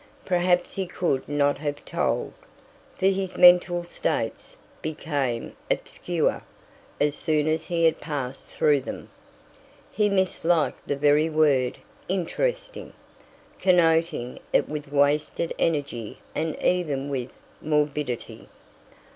Perhaps he could not have told, for his mental states became obscure as soon as he had passed through them. He misliked the very word "interesting," connoting it with wasted energy and even with morbidity.